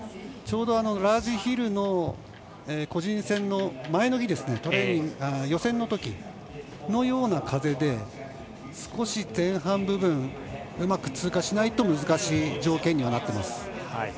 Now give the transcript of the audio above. ちょうどラージヒルの個人戦の予選のときのような風で少し前半部分うまく通過しないと難しい条件にはなっています。